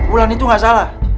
ulan itu gak salah